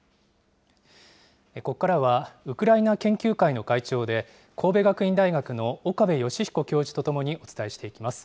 ここからは、ウクライナ研究会の会長で、神戸学院大学の岡部芳彦教授と共にお伝えしていきます。